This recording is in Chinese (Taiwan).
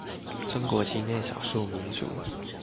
中國境內少數民族